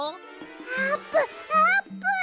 あーぷんあーぷん！